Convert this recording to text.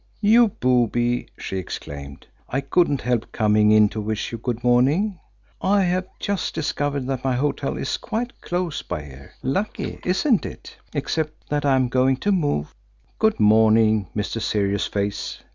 "You booby!" she exclaimed. "I couldn't help coming in to wish you good morning. I have just discovered that my hotel is quite close by here. Lucky, isn't it, except that I am going to move. Good morning, Mr. Serious Face!"